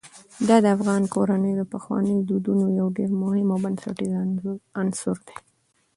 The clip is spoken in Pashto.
دا د افغان کورنیو د پخوانیو دودونو یو ډېر مهم او بنسټیز عنصر دی.